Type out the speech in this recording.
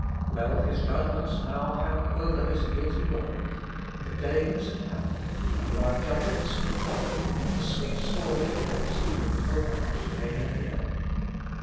Well, his judgments now hang over this guilty world. The day is at hand; and, while judgments impend, the sweet story of grace is being told out to many an ear.